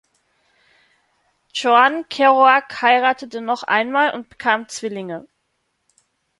Joan Kerouac heiratete noch einmal und bekam Zwillinge.